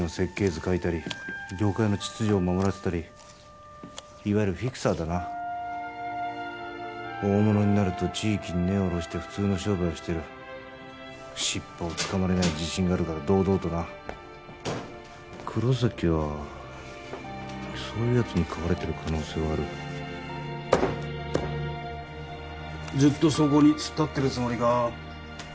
図書いたり業界の秩序を守らせたりいわゆるフィクサーだな大物になると地域に根をおろして普通の商売をしてるシッポをつかまれない自信があるから堂々とな黒崎はそういうやつに飼われてる可能性はあるずっとそこに突っ立ってるつもりか？